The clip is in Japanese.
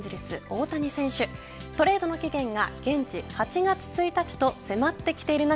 大谷選手トレードの期限が現地８月１日と迫ってきている中